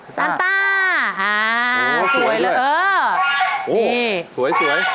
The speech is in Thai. ซัลต้าอ๋อสวยด้วยโอ้โฮสวย